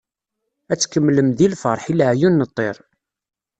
Ad tkemlem deg lferḥ, i leɛyun n ṭṭir.